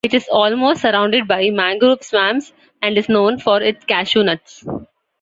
It is almost surrounded by mangrove swamps and is known for its cashew nuts.